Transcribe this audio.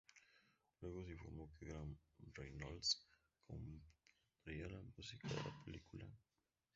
Luego, se informó que Graham Reynolds compondría la música de la película.